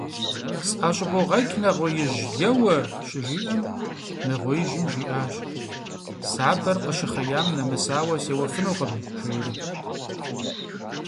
– СӀэщӀыбогъэкӀ, нэгъуеижь, еуэ, – щыжиӀэм нэгъуеижьым жиӀащ: «Сабэр къыщыхъеям нэмысауэ сеуэфынукъым», – жери.